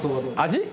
味？